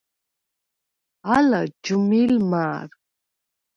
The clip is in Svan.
ალა ჯჷმილ მა̄რ.